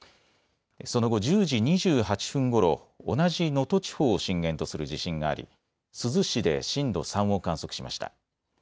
その後、１０時２８分ごろ、同じ能登地方震源とする地震があり珠洲市で震度３を観測しました。